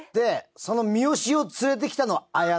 その三吉を連れてきたのは彩奈。